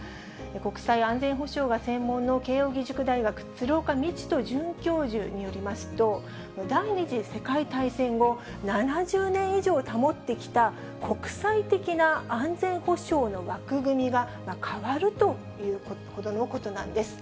国際安全保障が専門の慶応義塾大学、鶴岡路人准教授によりますと、第２次世界大戦後、７０年以上保ってきた国際的な安全保障の枠組みが変わるというほどのことなんです。